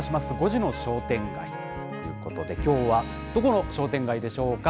５時の商店街ということで、きょうはどこの商店街でしょうか。